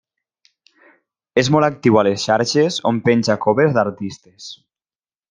És molt actiu a les xarxes on penja covers d'artistes.